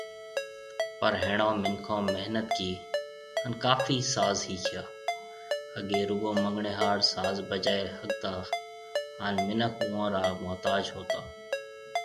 پر ۿيڻون منکون محنت ڪي هان ڪافي ساز ۿيکيا، اگي رُگو منڱڻهار ساز بجائي ۿگتا هان منک اوئون را محتاج هوتا